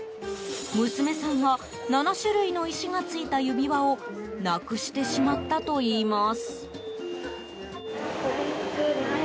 娘さんが７種類の石がついた指輪をなくしてしまったといいます。